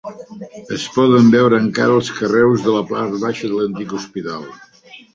Es poden veure encara els carreus de la part baixa de l'antic hospital.